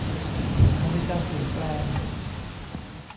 พอมีการเปลี่ยนแปลง